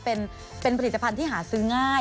เป็นผลิตภัณฑ์ที่หาซื้อง่าย